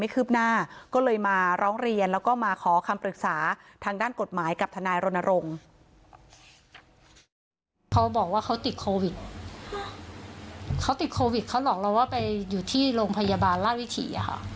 เขาบอกว่าเขาติดโควิดเขาติดโควิดเขาหลอกเราว่าไปอยู่ที่โรงพยาบาลราชวิถี